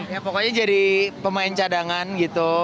ya pokoknya jadi pemain cadangan gitu